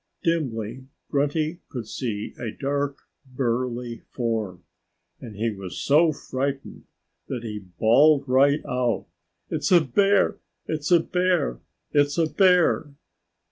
Dimly Grunty could see a dark, burly form. And he was so frightened that he bawled right out, "It's a bear! It's a bear! It's a bear!"